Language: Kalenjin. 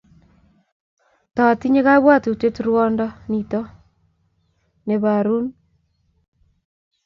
Tootinye kabwotutietab ruondo nito ne boron kurumve